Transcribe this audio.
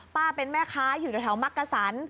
เป็นแม่ค้าอยู่แถวมักกะสัน